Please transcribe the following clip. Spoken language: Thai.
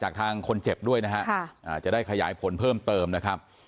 ทางคนเจ็บด้วยนะฮะจะได้ขยายผลเพิ่มเติมนะครับ